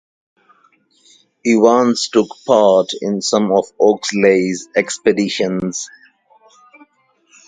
Evans took part in some of Oxley's expeditions.